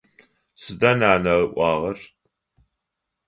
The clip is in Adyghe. Сыда нанэ ыӏуагъэр?